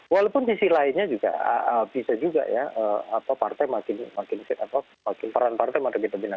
walaupun sisi lainnya juga bisa juga ya partai makin peran partai makin kita bina